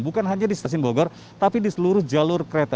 bukan hanya di stasiun bogor tapi di seluruh jalur kereta